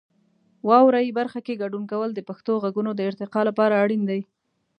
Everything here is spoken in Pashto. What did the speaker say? واورئ برخه کې ګډون کول د پښتو غږونو د ارتقا لپاره اړین دی.